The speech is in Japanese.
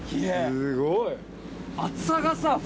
すごい。